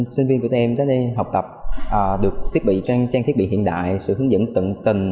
sinh viên của em đã đi học tập được thiết bị trang thiết bị hiện đại sự hướng dẫn tận tình